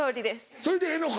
それでええのか？